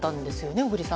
小栗さん。